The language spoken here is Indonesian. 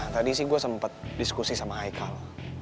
tadi sih gue sempet diskusi sama ikal